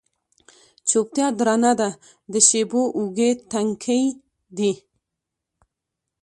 چوپتیا درنه ده د شېبو اوږې، تنکۍ دی